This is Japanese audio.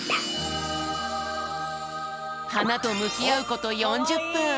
はなとむきあうこと４０ぷん。